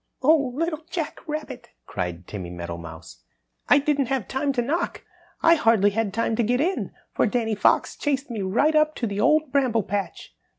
"Oh, Little Jack Rabbit," cried Timmy Meadowmouse, "I didn't have time to knock. I hardly had time to get in, for Danny Fox chased me right up to the Old Bramble Patch."